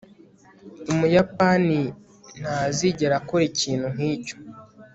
umuyapani ntazigera akora ikintu nkicyo